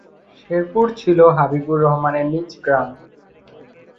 শেরপুর ছিল হাবিবুর রহমানের নিজ গ্রাম।